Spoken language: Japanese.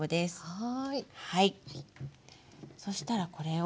はい。